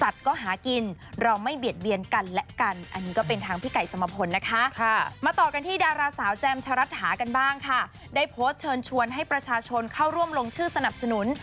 เชิญชวนให้ประชาชนเข้าร่วมลงชื่อสนับสนุน